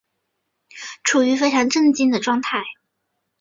处於非常震惊的状态